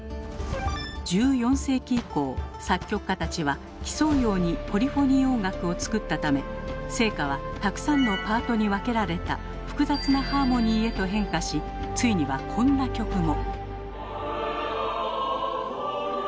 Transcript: １４世紀以降作曲家たちは競うようにポリフォニー音楽を作ったため聖歌はたくさんのパートに分けられた複雑なハーモニーへと変化しついにはこんな曲も。